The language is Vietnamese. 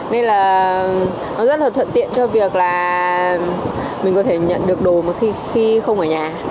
nên là nó rất là thuận tiện cho việc là mình có thể nhận được đồ khi không ở nhà